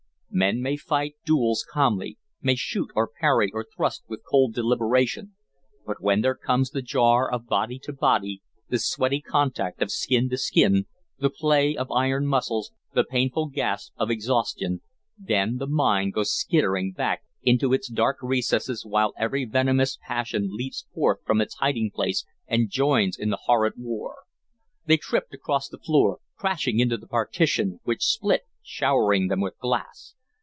Men may fight duels calmly, may shoot or parry or thrust with cold deliberation; but when there comes the jar of body to body, the sweaty contact of skin to skin, the play of iron muscles, the painful gasp of exhaustion then the mind goes skittering back into its dark recesses while every venomous passion leaps forth from its hiding place and joins in the horrid war. They tripped across the floor, crashing into the partition, which split, showering them with glass.